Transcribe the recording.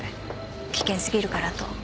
危険すぎるからと。